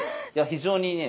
非常にね